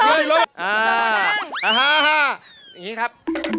อย่างนี้ครับ